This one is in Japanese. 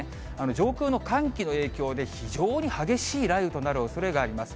上空の寒気の影響で、非常に激しい雷雨となるおそれがあります。